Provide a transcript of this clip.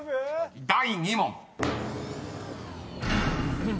第２問］